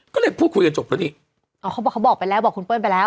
ก็เลยพูดคุยกันจบแล้วดิอ๋อเขาบอกเขาบอกไปแล้วบอกคุณเปิ้ลไปแล้ว